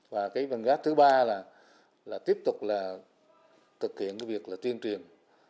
và cái vận gác thứ ba là tiếp tục là thực hiện cái việc là tuyên truyền